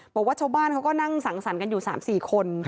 บอกว่าชาวบ้านเขาก็นั่งสังสรรค์กันอยู่๓๔คน